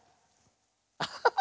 アハハハ！